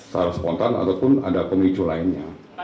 secara spontan ataupun ada pemicu lainnya